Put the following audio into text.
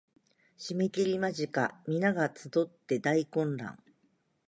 締切間近皆が集って大混乱